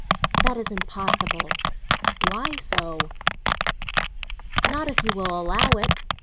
"That is impossible." "Why so? Not if you will allow it."